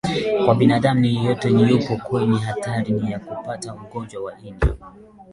binadamu yeyote yupo kwenye hatari ya kupata ugonjwa wa ini